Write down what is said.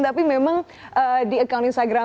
tapi memang di akun instagram